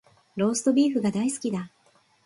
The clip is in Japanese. ローストビーフが大好きだ